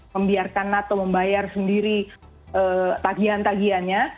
membiarkan nato membayar sendiri tagian tagiannya